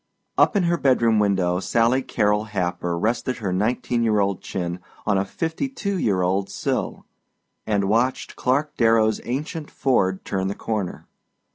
Up in her bedroom window Sally Carrol Happer rested her nineteen year old chin on a fifty two year old sill and watched Clark Darrow's ancient Ford turn the corner.